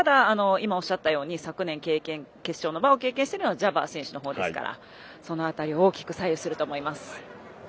おっしゃったように昨年、決勝を経験してるのはジャバー選手のほうですからその辺り大きく左右すると思います。